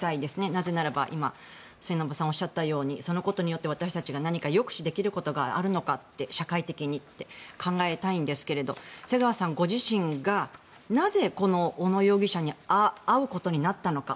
なぜなら末延さんがおっしゃったようにそれによって私たちが抑止できることがあるのか社会的にって考えたいんですが瀬川さんご自身がなぜ、この小野容疑者に会うことになったのか。